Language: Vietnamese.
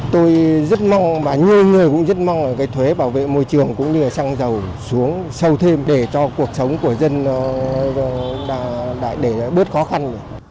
tôi rất mong và nhiều người cũng rất mong thuế bảo vệ môi trường cũng như xăng dầu xuống sâu thêm để cho cuộc sống của dân bớt khó khăn